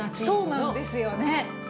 そうなんですよね。